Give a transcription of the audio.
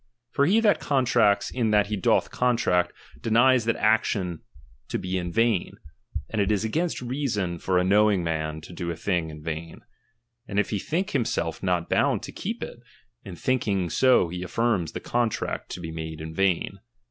For he that contracts, in that he doth ^H contract, denies that action to be in vain ; and it is ^H against reason for a knowing man to do a thing in ^H vain ; and if he think himself not bound to keep ^H it, in thinking so he affirms the contract to be ^1 made in vain.